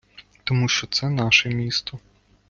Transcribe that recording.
Тому що це наше місто.